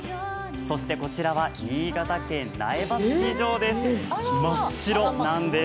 そしてこちらは新潟県苗場スキー場です。